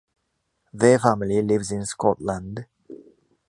Their family lives in Scotland.